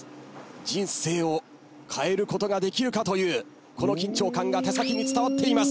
人生を変えることができるかというこの緊張感が手先に伝わっています。